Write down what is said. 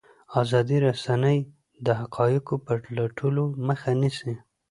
ازادې رسنۍ د حقایقو پټولو مخه نیسي.